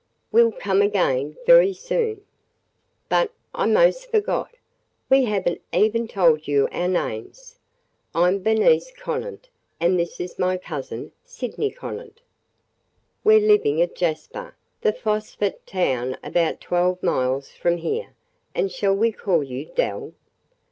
"We 'll come again very soon. But – I most forgot! – we have n't even told you our names. I 'm Bernice Conant and this is my cousin, Sydney Conant. We 're living at Jasper, the phosphate town about twelve miles from here. And shall we call you Dell?"